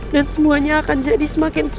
dan semuanya akan jadi semakin sulit